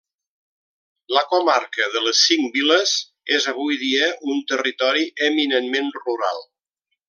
La Comarca de les Cinc Viles és avui dia un territori eminentment rural.